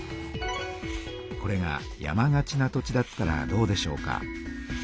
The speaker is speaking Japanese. これが山がちな土地だったらどうでしょうか。